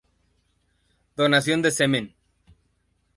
Donación de semen.